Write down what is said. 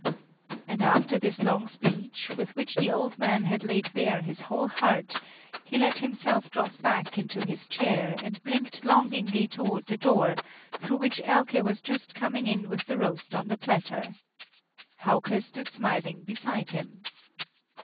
And after this long speech, with which the old man had laid bare his whole heart, he let himself drop back into his chair and blinked longingly toward the door, through which Elke was just coming in with the roast on the platter. Hauke stood smiling beside him.